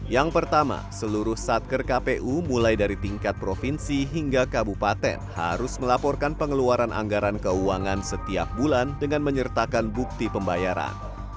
yang pertama seluruh satker kpu mulai dari tingkat provinsi hingga kabupaten harus melaporkan pengeluaran anggaran keuangan setiap bulan dengan menyertakan bukti pembayaran